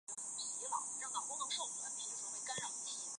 事件发生在阿富汗北部昆都士省昆都士市。